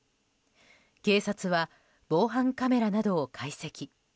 警察は防犯カメラなどを解析。